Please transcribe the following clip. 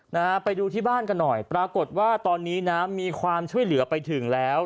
นะฮะไปดูที่บ้านกันหน่อยปรากฏว่าตอนนี้นะมีความช่วยเหลือไปถึงแล้ว